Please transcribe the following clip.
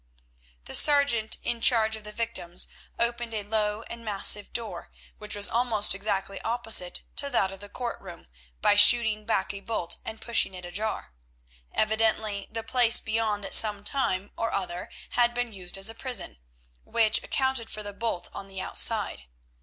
The sergeant in charge of the victims opened a low and massive door, which was almost exactly opposite to that of the court room, by shooting back a bolt and pushing it ajar. Evidently the place beyond at some time or other had been used as a prison, which accounted for the bolt on the outside.